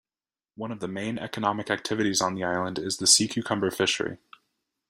One of the main economic activities on the island is the sea cucumber fishery.